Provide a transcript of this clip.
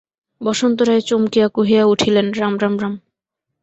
বসন্ত রায় চমকিয়া কহিয়া উঠিলেন, রাম রাম রাম।